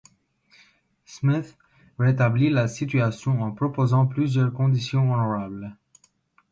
Smith rétablit la situation en proposant plusieurs conditions honorables.